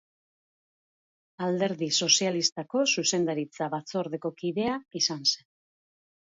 Alderdi Sozialistako zuzendaritza-batzordeko kidea izan zen.